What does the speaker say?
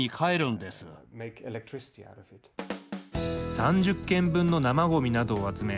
３０軒分の生ゴミなどを集め